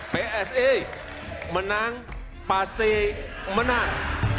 pse menang pasti menang